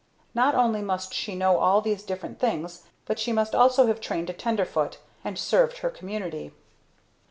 Not only must she know all these different things but she must also have trained a Tenderfoot, and served her community.